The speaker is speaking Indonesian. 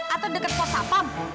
atau dekat kos apam